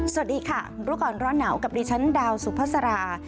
สวัสดีค่ะรู้ก่อนร้อนหนาวกับดิฉันดาวสุภาษา